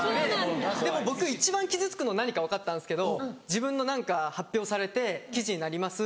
でも僕一番傷つくの何か分かったんですけど自分の何か発表されて記事になります。